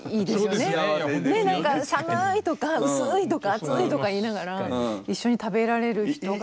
何か寒いとか薄いとか熱いとか言いながら一緒に食べられる人が。